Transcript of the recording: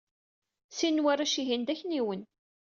Sin n warrac-ihin d akniwen.